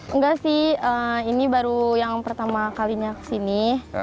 enggak sih ini baru yang pertama kalinya kesini